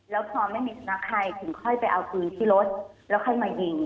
แล้วพอไม่มีสุนัขใครถึงค่อยไปเอาปืนที่รถแล้วค่อยมายิง